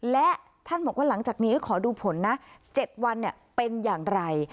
และท่านบอกว่าหลังจากนี้ขอดูผลนะ๗วันเป็นอย่างไร